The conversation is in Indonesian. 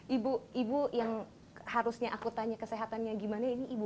ibu ibu yang harusnya aku tanya kesehatannya gimana ini ibu